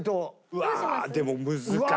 うわでも難しいよ。